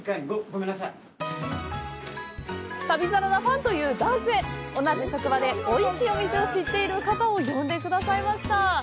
旅サラダファンという男性同じ職場でおいしいお店を知っている方を呼んでくださいました。